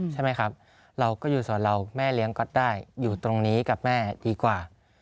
ใช่ไหมครับเราก็อยู่ส่วนเราแม่เลี้ยงก๊อตได้อยู่ตรงนี้กับแม่ดีกว่า